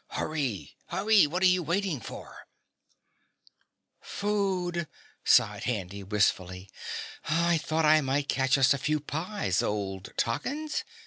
Hurry hurry what are you waiting for?" "Food," sighed Handy wistfully. "I thought I might catch us a few pies, Old Toggins.